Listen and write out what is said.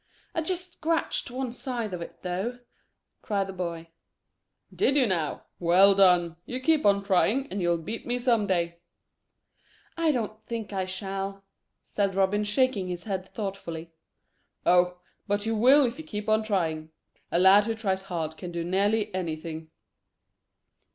"I just scratched one side of it though," cried the boy. "Did you now? Well done! You keep on trying, and you'll beat me some day." "I don't think I shall," said Robin, shaking his head thoughtfully. "Oh! but you will if you keep on trying. A lad who tries hard can do nearly anything."